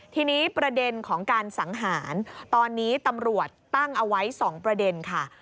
ทีนี้ประเด็นของการสังหารตอนนี้ตำรวจตั้งเอาไว้๒ประเด็นค่ะ